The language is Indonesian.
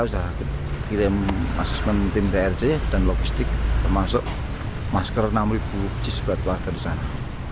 kita mengirim asesmen tim drc dan logistik termasuk masker enam ribu jisbat warga di sana